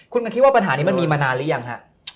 คุณมันคิดว่าปัญหานี้มันมีมานานหรือยังฮะ